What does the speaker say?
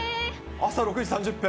朝６時３０分。